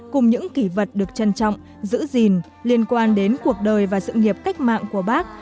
cùng những kỷ vật được trân trọng giữ gìn liên quan đến cuộc đời và sự nghiệp cách mạng của bác